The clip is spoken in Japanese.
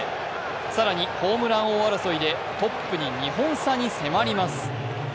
更にホームラン王争いでトップに２本差に迫ります。